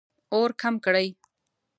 اور کم کړئ